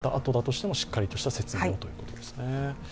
終わったあとだとしても、しっかりとした説明をということですね。